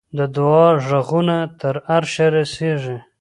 د دعا ږغونه تر عرشه رسېږي.